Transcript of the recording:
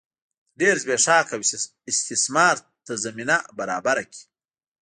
د ډېر زبېښاک او استثمار ته زمینه برابره کړي.